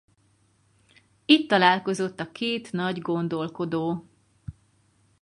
Itt találkozott a két nagy gondolkodó.